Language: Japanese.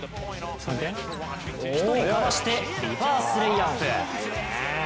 １人かわして、リバースレイアップ。